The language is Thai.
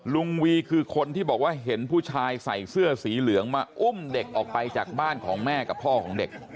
วีคือคนที่บอกว่าเห็นผู้ชายใส่เสื้อสีเหลืองมาอุ้มเด็กออกไปจากบ้านของแม่กับพ่อของเด็ก